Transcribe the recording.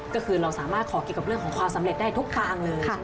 ก็คือเราสามารถขอเกี่ยวกับเรื่องของความสำเร็จได้ทุกทางเลย